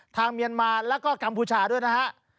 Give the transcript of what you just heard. เมียนมาแล้วก็กัมพูชาด้วยนะฮะ